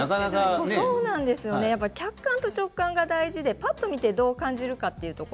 客観と直感が大事でぱっと見て、どう感じるのか。